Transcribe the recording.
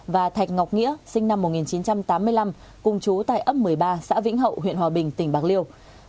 và thạch ngọc nghĩa sinh năm một nghìn chín trăm tám mươi năm cùng chú tại ấp một mươi ba xã vĩnh hậu huyện hòa bình tỉnh bạc liêu